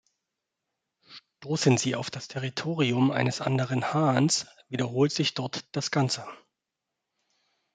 Stoßen sie auf das Territorium eines anderen Hahns, wiederholt sich dort das Ganze.